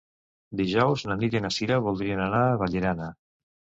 Dijous na Nit i na Cira voldrien anar a Vallirana.